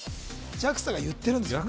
ＪＡＸＡが言ってるんですもんね